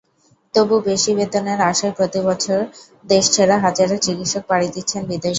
তবু বেশি বেতনের আশায় প্রতিবছর দেশ ছেড়ে হাজারো চিকিত্সক পাড়ি দিচ্ছেন বিদেশে।